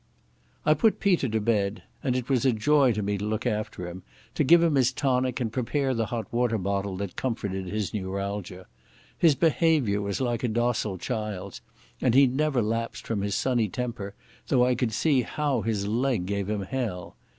I put Peter to bed, and it was a joy to me to look after him, to give him his tonic and prepare the hot water bottle that comforted his neuralgia. His behaviour was like a docile child's, and he never lapsed from his sunny temper, though I could see how his leg gave him hell.